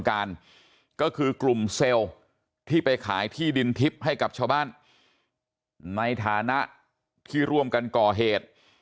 การก็คือกลุ่มเซลล์ที่ไปขายที่ดินทิพย์ให้กับชาวบ้านในฐานะที่ร่วมกันก่อเหตุ